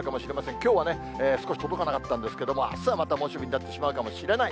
きょうは少し届かなかったんですけれども、あすはまた猛暑日になってしまうかもしれない。